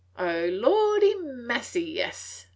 "O lordy massy, yes!